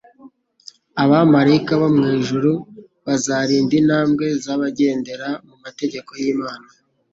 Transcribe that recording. Abamarayika bo mw'ijuru bazarinda intambwe z'abagendera mu mategeko y'Imana.